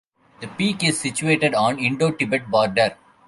The peak is situated on Indo-Tibet border.